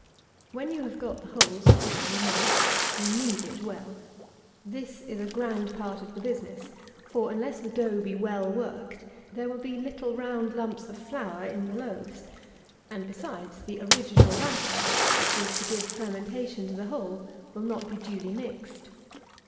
When you have got the whole sufficiently moist, you knead it well. This is a grand part of the business; for, unless the dough be well worked, there will be little round lumps of flour in the loaves; and, besides, the original batter, which is to give fermentation to the whole, will not be duly mixed.